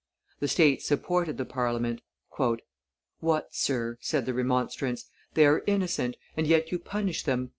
The states supported the Parliament. "What! sir," said the remonstrance; "they are innocent, and yet you punish them!